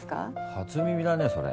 初耳だねそれ。